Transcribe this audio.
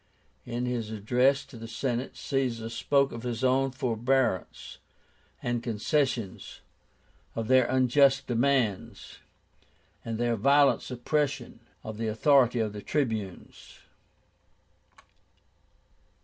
In his address to the Senate Caesar spoke of his own forbearance and concessions, of their unjust demands, and their violent suppression of the authority of the Tribunes.